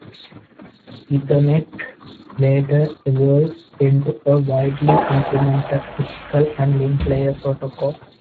Ethernet later evolved into a widely implemented physical and link layer protocol.